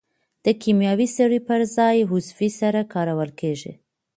د کیمیاوي سرې پر ځای عضوي سره کارول کیږي.